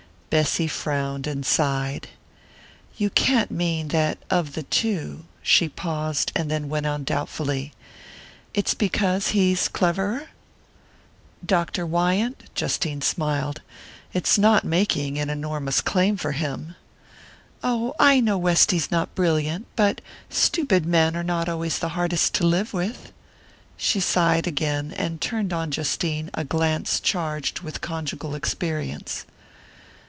Bessy frowned and sighed. "You can't mean that, of the two ?" She paused and then went on doubtfully: "It's because he's cleverer?" "Dr. Wyant?" Justine smiled. "It's not making an enormous claim for him!" "Oh, I know Westy's not brilliant; but stupid men are not always the hardest to live with." She sighed again, and turned on Justine a glance charged with conjugal experience.